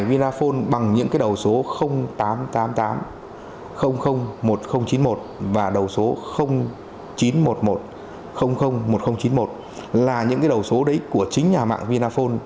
vinaphone bằng những cái đầu số tám trăm tám mươi tám một nghìn chín mươi một và đầu số chín trăm một mươi một một nghìn chín mươi một là những cái đầu số đấy của chính nhà mạng vinaphone